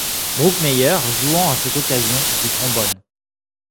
Brookemeyer jouant à cette occasion du trombone.